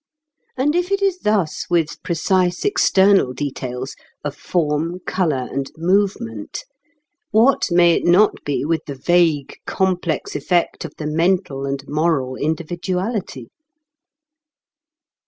And if it is thus with precise external details of form, colour, and movement, what may it not be with the vague complex effect of the mental and moral individuality?